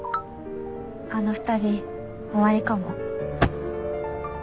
あの２人終わりかも。